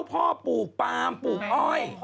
พ่อปลูกปลามปลูกอ้อย